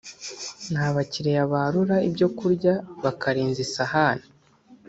ni abakiriya barura ibyo kurya bakarenza isahane